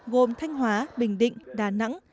gồm thanh hóa bình định đà nẵng